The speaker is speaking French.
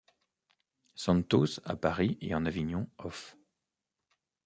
Santos à Paris et en Avignon off.